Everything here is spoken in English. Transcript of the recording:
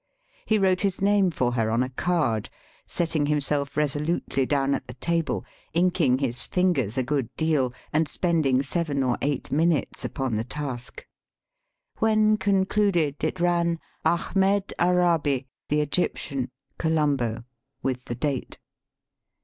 He wrote his name for her on a card, setting himself resolutely down at the table, inking his fingers a good deal, and spending seven or eight minutes upon the task. When con cluded it ran " Ahmed Arabi, the Egyptian ; Colombo," with the date.